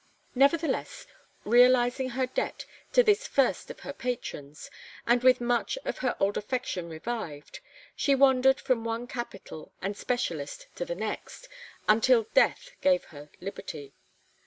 Nevertheless, realizing her debt to this first of her patrons, and with much of her old affection revived, she wandered from one capital and specialist to the next, until death gave her liberty.